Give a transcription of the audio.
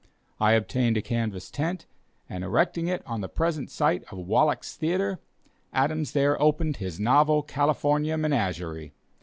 I obtained a canvas tent, and erecting it on the present site of Wallack's Theatre, Adams there opened his novel California Menagerie.